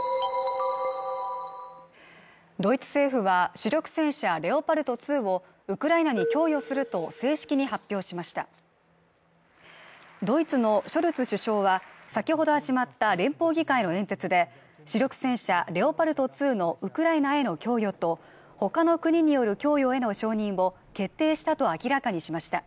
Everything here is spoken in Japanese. ドイツ政府は主力戦車レオパルト２をウクライナに供与すると正式に発表しましたドイツのショルツ首相は先ほど始まった連邦議会の演説で主力戦車レオパルト２のウクライナへの供与とほかの国による供与への承認を決定したと明らかにしました